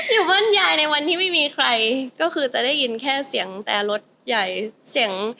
อยู่บ้านยายในวันที่ไม่มีใครก็คือจะได้ยินแค่เสียงแต่รถใหญ่เสียง